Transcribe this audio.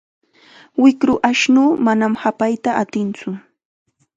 Wiqru ashnuu manam hapayta atintsu.